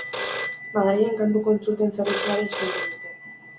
Madrilen kanpo kontsulten zerbitzua ere eskaintzen dute.